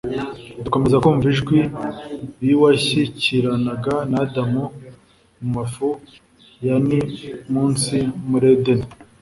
dukomeza kumva ijwi iy’Uwashyikiranaga na Adamu mu mafu ya ni munsi muri Edeni.